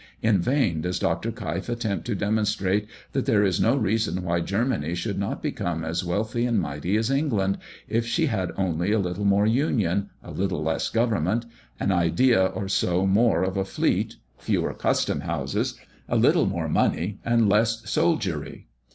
In vain does Dr. Keif attempt to demonstrate that there is no reason why Germany should not become as wealthy and mighty as England, if she had only a little more union, a little less government, an idea or so more of a fleet, fewer custom houses, a little more money and less soldiery.